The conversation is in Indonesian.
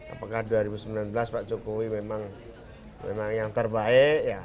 apakah dua ribu sembilan belas pak jokowi memang yang terbaik ya